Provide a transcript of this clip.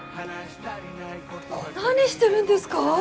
何してるんですか！？